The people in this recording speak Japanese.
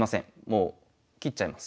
もう切っちゃいます。